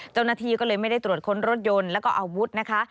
เจ้าหน้าที่ก็เลยไม่ได้ตรวจค้นรถยนต์แล้วก็อาวุธนะคะ